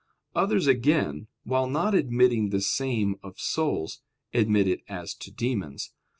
Others, again, while not admitting the same of souls, admit it as to demons.